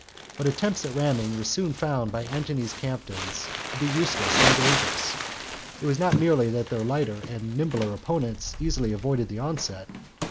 But attempts at ramming were soon found by Antony's captains to be both useless and dangerous. It was not merely that their lighter and nimbler opponents easily avoided the onset.